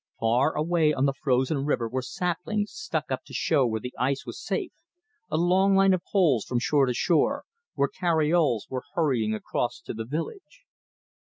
Far away on the frozen river were saplings stuck up to show where the ice was safe a long line of poles from shore to shore and carioles were hurrying across to the village.